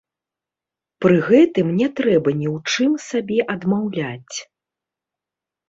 Пры гэтым не трэба ні ў чым сабе адмаўляць.